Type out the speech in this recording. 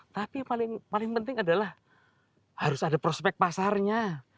tapi yang paling penting adalah harus ada prospek pasarnya